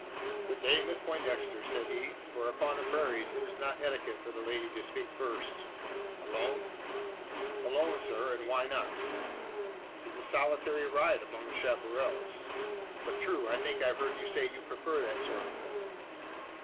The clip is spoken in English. "Good day, Miss Poindexter?" said he for upon the prairies it is not etiquette for the lady to speak first. "Alone?" "Alone, sir. And why not?" "'Tis a solitary ride among the chapparals. But true: I think I've heard you say you prefer that sort of thing?"